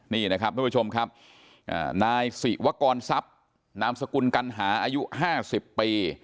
นี่นะครับผู้ชมครับอ่านายศิวกรทรัพย์นามสกุลกัณหาอายุห้าสิบปี